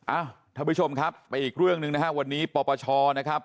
ท่านผู้ชมครับไปอีกเรื่องหนึ่งนะฮะวันนี้ปปชนะครับ